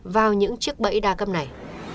vào những chiếc bẫy đa cấp này